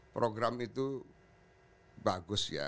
program itu bagus ya